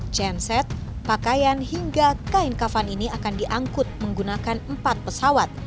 genset pakaian hingga kain kafan ini akan diangkut menggunakan empat pesawat